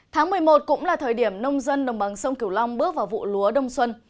tháng một mươi một cũng là thời điểm nông dân đồng bằng sông kiều long bước vào vụ lúa đông xuân